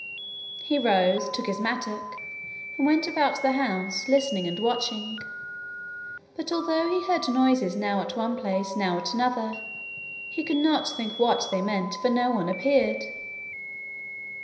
He rose, took his mattock, and went about the house, listening and watching; but although he heard noises now at one place now at another, he could not think what they meant for no one appeared.